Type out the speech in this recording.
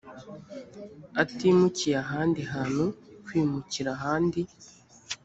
atimukiye ahandi hantu kwimukira ahandi